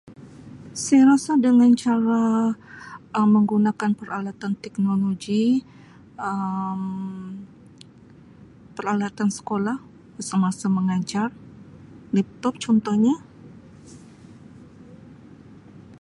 "Um Saya rasa dengan cara menggunakan peralatan teknologi Um peralatan sekolah semasa mengajar ""laptop"" contohnya."